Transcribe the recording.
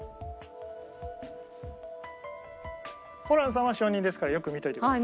ホランさんは証人ですからよく見といてください。